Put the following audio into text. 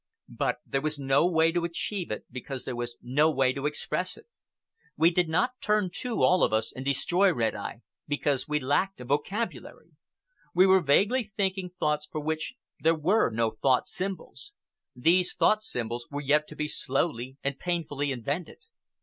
But there was no way to achieve it because there was no way to express it. We did not turn to, all of us, and destroy Red Eye, because we lacked a vocabulary. We were vaguely thinking thoughts for which there were no thought symbols. These thought symbols were yet to be slowly and painfully invented.